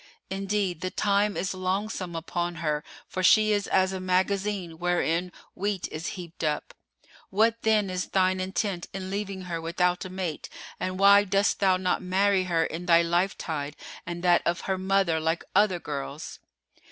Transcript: Indeed, the time is longsome upon her for she is as a magazine wherein wheat is heaped up.[FN#458] What then is thine intent in leaving her without a mate and why dost thou not marry her in thy lifetide and that of her mother, like other girls?